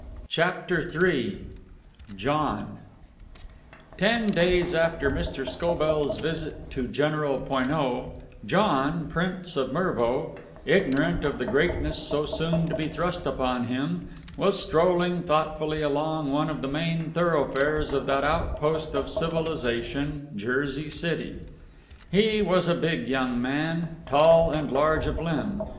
CHAPTER III JOHN Ten days after Mr. Scobell's visit to General Poineau, John, Prince of Mervo, ignorant of the greatness so soon to be thrust upon him, was strolling thoughtfully along one of the main thoroughfares of that outpost of civilization, Jersey City. He was a big young man, tall and large of limb.